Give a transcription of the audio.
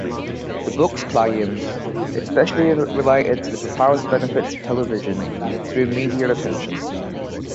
The book's claims, especially related to the proposed benefits of television, drew media attention.